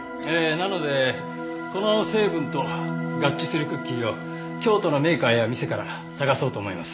なのでこの成分と合致するクッキーを京都のメーカーや店から探そうと思います。